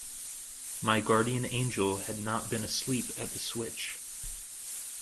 My guardian angel had not been asleep at the switch.